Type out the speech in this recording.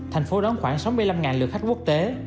thành phố đón khoảng sáu mươi năm lượt khách quốc tế